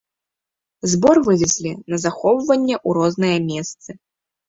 Збор вывезлі на захоўванне ў розныя месцы.